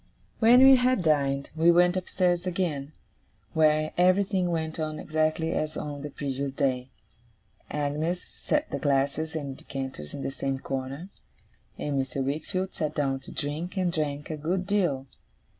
When we had dined, we went upstairs again, where everything went on exactly as on the previous day. Agnes set the glasses and decanters in the same corner, and Mr. Wickfield sat down to drink, and drank a good deal.